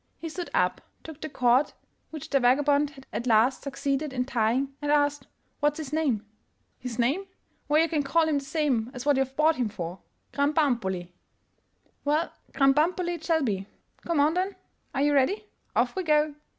He stood up, took the cord which the vagabond had at last succeeded in tying, and asked " What's his name? "'' His name — ? Why, you can call him the same as what you've bought him for — Krambambuli! " 1 ' Well, Krambambuli it shall be. Come on, then ! Are you ready? Off we go!